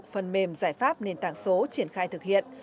phần mềm giải pháp nền tảng số triển khai thực hiện